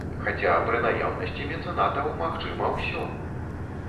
Хаця, пры наяўнасці мецэнатаў магчыма ўсё!